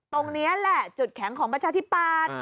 ตรงนี้แหละจุดแข็งของประชาธิปัตย์